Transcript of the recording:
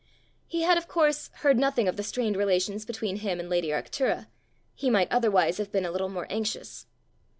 He had, of course, heard nothing of the strained relations between him and lady Arctura; he might otherwise have been a little more anxious.